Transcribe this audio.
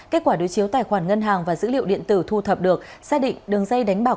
kết quả đối chiếu tài khoản ngân hàng và dữ liệu điện tử thu thập được xác định đường dây đánh bạc